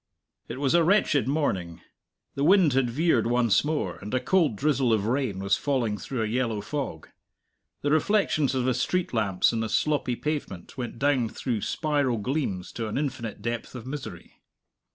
It was a wretched morning. The wind had veered once more, and a cold drizzle of rain was falling through a yellow fog. The reflections of the street lamps in the sloppy pavement went down through spiral gleams to an infinite depth of misery.